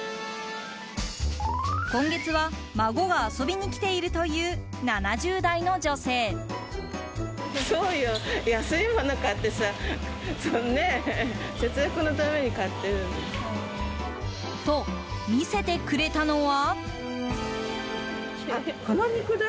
今月は孫が遊びに来ているという７０代の女性。と、見せてくれたのは。